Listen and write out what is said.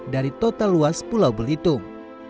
dari total luas pulau belitung